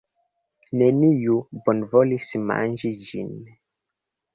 Neniu bonvolis manĝi ĝin.